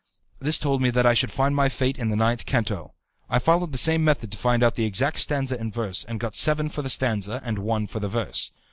This told me that I should find my fate in the ninth canto. I followed the same method to find out the exact stanza and verse, and got seven for the stanza and one for the verse.